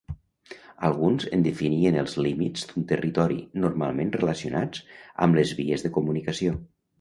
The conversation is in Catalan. Alguns en definien els límits d'un territori, normalment relacionats amb les vies de comunicació.